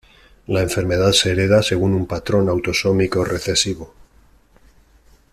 La enfermedad se hereda según un patrón autosómico recesivo.